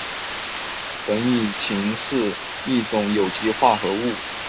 苯乙腈是一种有机化合物。